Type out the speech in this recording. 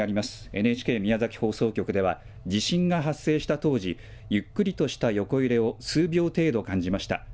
ＮＨＫ宮崎放送局では、地震が発生した当時、ゆっくりとした横揺れを数秒程度感じました。